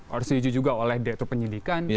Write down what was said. harus diuji juga oleh direktur penyidikan